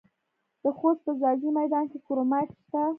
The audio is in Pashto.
د خوست په ځاځي میدان کې کرومایټ شته.